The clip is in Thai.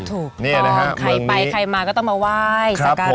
ถูกต้องใครไปใครมาก็ต้องมาไหว้สักการะ